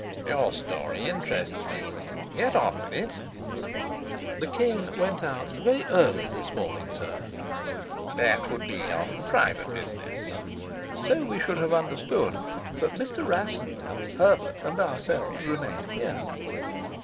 "Your story interests me. Go on with it." "The king went out very early this morning, sir." "That would be on private business?" "So we should have understood. But Mr. Rassendyll, Herbert, and ourselves remained here."